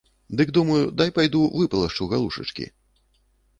Дык думаю, дай пайду выпалашчу галушачкі.